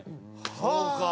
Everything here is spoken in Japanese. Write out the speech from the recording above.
そうか。